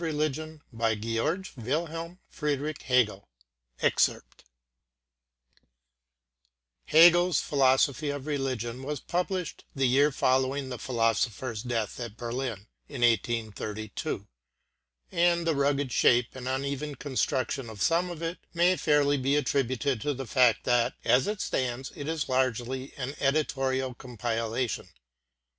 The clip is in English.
[pg 138] GEORG WILHELM FRIEDRICH HEGEL The Philosophy of Religion Hegel's "Philosophy of Religion" was published the year following the philosopher's death, at Berlin, in 1832; and the rugged shape and uneven construction of some of it may fairly be attributed to the fact that, as it stands, it is largely an editorial compilation.